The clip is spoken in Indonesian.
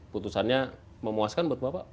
putusannya memuaskan buat bapak